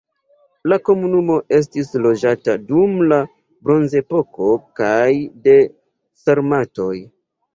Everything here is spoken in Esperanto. La komunumo estis loĝata dum la bronzepoko kaj de sarmatoj.